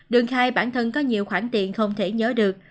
đường khai bản thân có nhiều khoản tiền không thể nhớ được